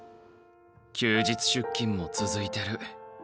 休日出勤も続いてる。